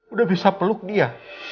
udah bisa peluk dia